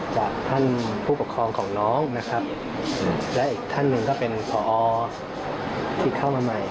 จากท่านผู้ปกครองของน้องนะครับและอีกท่านหนึ่งก็เป็นพอที่เข้ามาใหม่